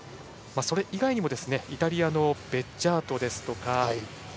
それ以外にもイタリアのベッジャートですとか。